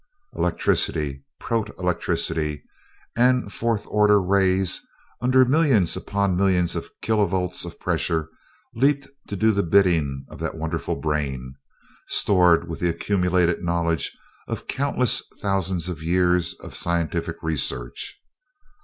Electricity, protelectricity, and fourth order rays, under millions upon millions of kilovolts of pressure, leaped to do the bidding of that wonderful brain, stored with the accumulated knowledge of countless thousands of years of scientific research.